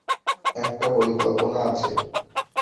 একটা পরিকল্পনা আছে।